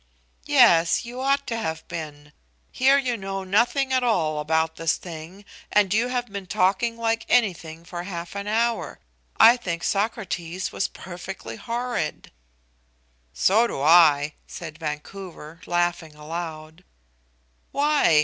"Yes, you ought to have been. Here you know nothing at all about this thing, and you have been talking like anything for half an hour. I think Socrates was perfectly horrid." "So do I," said Vancouver, laughing aloud. "Why?"